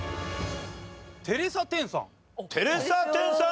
テレサ・テンさん